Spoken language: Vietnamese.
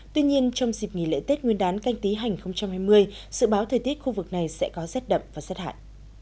tuy nhiên trong dịp nghỉ lễ tết nguyên đán canh tí hành hai mươi dự báo thời tiết khu vực này sẽ có rét đậm và rét hại